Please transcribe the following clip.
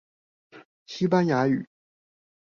西班牙語